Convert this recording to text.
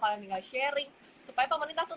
paling tinggal sharing supaya pemerintah tuh